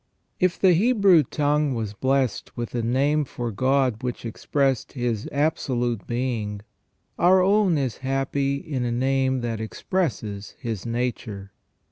IF the Hebrew tongue was blessed with a name for God which expressed His absolute Being, our own is happy in a name that expresses His nature.